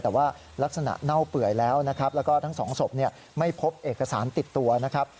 แต่ว่าลักษณะเน่าเปื่อยแล้วนะครับแล้วก็ทั้งสองศพไม่พบเอกสารติดตัวนะครับ